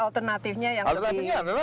alternatifnya yang lebih alternatifnya adalah